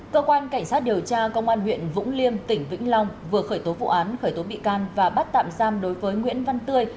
cơ quan cảnh sát điều tra công an huyện vũng liêm tỉnh vĩnh long vừa khởi tố vụ án khởi tố bị can và bắt tạm giam đối với nguyễn văn tươi